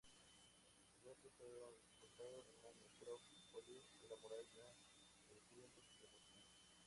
Sus restos fueron sepultados en la Necrópolis de la Muralla del Kremlin de Moscú.